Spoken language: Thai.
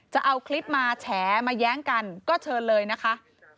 จะเอาคลิปมาแฉมาแย้งกันก็เชิญเลยนะคะ